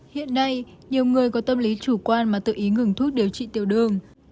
hiện nay nhiều người có tâm lý chủ quan mà tự ý ngừng thuốc điều trị tiểu đường